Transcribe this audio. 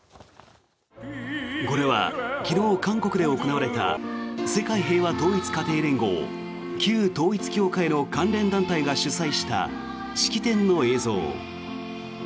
これは、昨日韓国で行われた世界平和統一家庭連合旧統一教会の関連団体が主催した式典の映像。